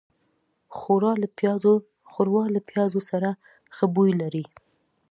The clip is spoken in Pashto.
ښوروا له پيازو سره ښه بوی لري.